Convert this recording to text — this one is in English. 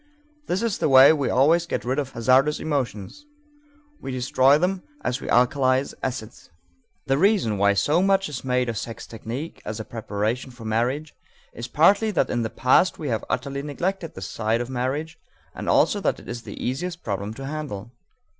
This is the way we always get rid of hazardous emotions: we destroy them as we alkalize acids. The reason why so much is made of sex technique as a preparation for marriage is partly that in the past we have utterly neglected this side of marriage and also that it is the easiest problem to handle.